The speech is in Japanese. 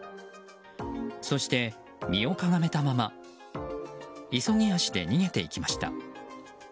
そして身をかがめたまま急ぎ足で逃げていきました。